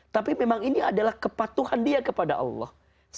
tapi memang ini adalah kepatuhan dia kepada allah